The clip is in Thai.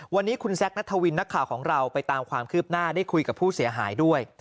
วันนี้คุณแซคนัทวินนักข่าวของเราไปตามความคืบหน้าได้คุยกับผู้เสียหายด้วย